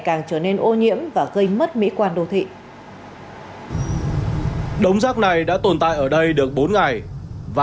càng trở nên ô nhiễm và gây mất mỹ quan đô thị đống rác này đã tồn tại ở đây được bốn ngày và